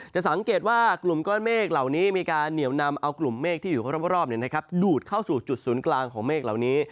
จะสังเกตว่ากลุ่มก้อนเมฆเหล่านี้มีการเหนียวนำเอากลุ่มเมฆที่อยู่รอบดูดเข้าสู่จุดศูนย์กลางของเมฆเหล่านี้